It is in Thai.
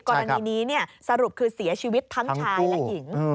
กรณีนี้สรุปคือเสียชีวิตทั้งชายและหญิง